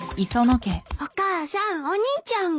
お母さんお兄ちゃんが。